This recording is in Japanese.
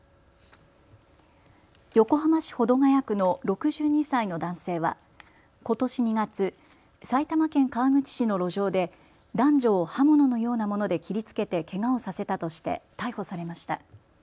横浜市保土ケ谷区の６２歳の男性はことし２月、埼玉県川口市の路上で男女を刃物のようなもので切りつけて、けがをさせたとして逮捕されました。